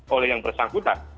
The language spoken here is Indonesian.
oleh yang tersangkutan